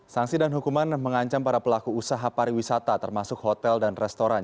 sanksi dan hukuman mengancam para pelaku usaha pariwisata termasuk hotel dan restoran